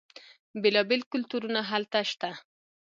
بیلا بیل کلتورونه هلته شته.